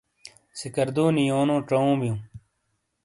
سکردو نی یونو چؤوں بیؤں۔